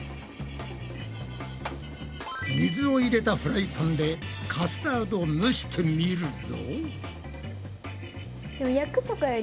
水を入れたフライパンでカスタードを蒸してみるぞ。